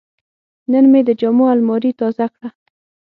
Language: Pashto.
نن مې د جامو الماري تازه کړه.